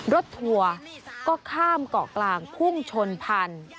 รถทัวร์ก็ข้ามเกาะกลางพุ่งชนพันธุ์